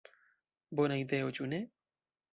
Bona ideo, ĉu ne?